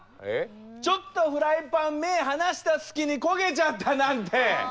ちょっとフライパン目離した隙に焦げちゃったなんて。